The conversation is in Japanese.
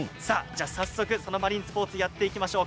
早速、そのマリンスポーツをやっていきましょう。